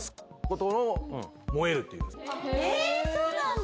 えっそうなんだ。